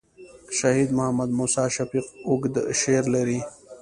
شهید محمد موسي شفیق اوږد شعر لري.